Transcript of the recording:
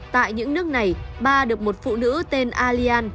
tại những nước này ba được một phụ nữ tên a lian